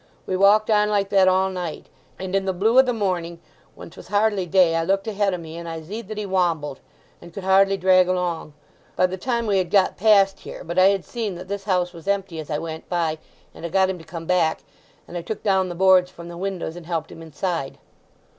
We walked on like that all night; and in the blue o' the morning, when 'twas hardly day, I looked ahead o' me, and I zeed that he wambled, and could hardly drag along. By the time we had got past here, but I had seen that this house was empty as I went by, and I got him to come back; and I took down the boards from the windows, and helped him inside.